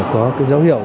có dấu hiệu